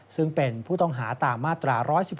ซึ่งเป็นผู้ต้องหาตามมาตรา๑๑๖